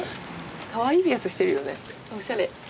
かわいいピアスしてるよねおしゃれ。